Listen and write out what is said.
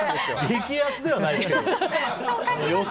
激安ではないよ。